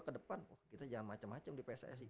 kedepan kita jangan macem macem di pssi